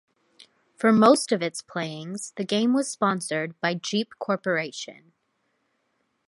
For most of its playings, the game was sponsored by Jeep Corporation.